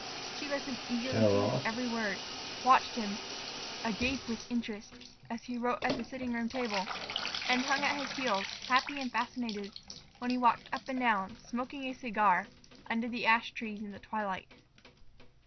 She listened eagerly to his every word, watched him, agape with interest, as he wrote at the sitting room table, and hung at his heels, happy and fascinated, when he walked up and down, smoking a cigar, under the ash trees in the twilight.